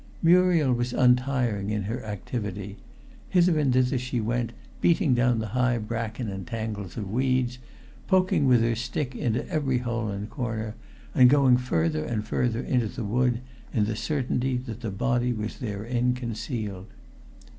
Muriel was untiring in her activity. Hither and thither she went, beating down the high bracken and tangles of weeds, poking with her stick into every hole and corner, and going further and further into the wood in the certainty that the body was therein concealed.